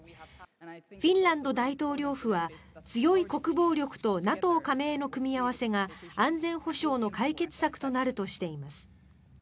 フィンランド大統領府は強い国防力とＮＡＴＯ加盟の組み合わせが安全保障の解決策となるとしています。